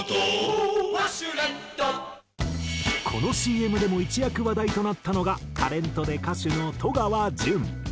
このＣＭでも一躍話題となったのがタレントで歌手の戸川純。